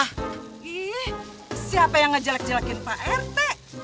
hi siapa yang ngejelek jelekin pak rt